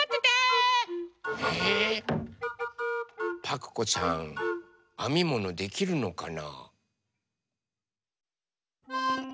パクこさんあみものできるのかな？